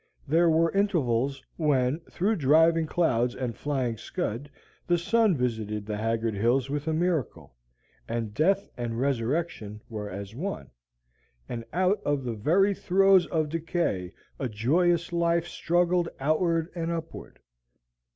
There were intervals when, through driving clouds and flying scud, the sun visited the haggard hills with a miracle, and death and resurrection were as one, and out of the very throes of decay a joyous life struggled outward and upward.